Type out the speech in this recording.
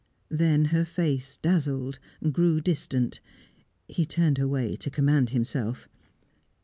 Then her face dazzled, grew distant; he turned away to command himself.